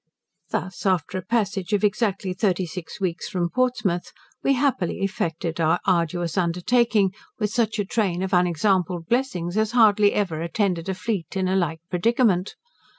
Thus, after a passage of exactly thirty six weeks from Portsmouth, we happily effected our arduous undertaking, with such a train of unexampled blessings as hardly ever attended a fleet in a like predicament.